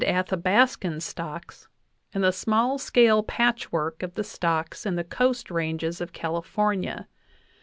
VIII Athabascan stocks and the small scale patchwork of the stocks in the Coast ranges of California.